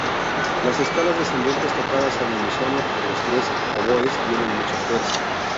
Las escalas descendentes tocadas al unísono por los tres oboes tienen mucha fuerza.